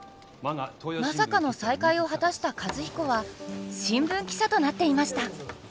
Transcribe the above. まさかの再会を果たした和彦は新聞記者となっていました。